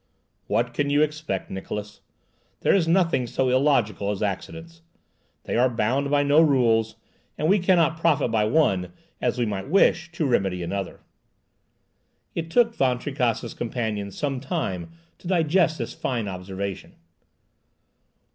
"What can you expect, Niklausse? There is nothing so illogical as accidents. They are bound by no rules, and we cannot profit by one, as we might wish, to remedy another." It took Van Tricasse's companion some time to digest this fine observation.